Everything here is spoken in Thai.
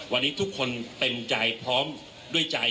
วันนี้ทุกคนเต็มใจพร้อมด้วยใจ